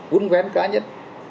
quân vén cá nhân